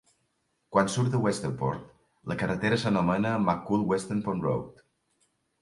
Quan surt de Westernport, la carretera s'anomena McCoole-Westernport Road.